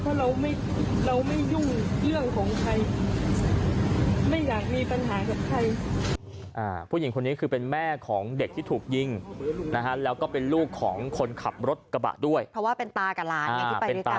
เพราะว่าเป็นตากลานที่ไปด้วยกันนะฮะทีนี้ห้ากอ้อมใจก็บอกอีกว่าตอนนี้เนี่ย